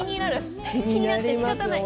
気になってしかたがない。